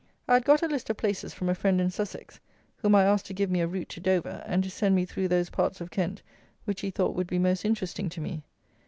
I had got a list of places from a friend in Sussex, whom I asked to give me a route to Dover, and to send me through those parts of Kent which he thought would be most interesting to me.